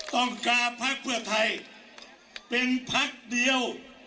ต้องการพักเพื่อไทยเป็นพักเดียว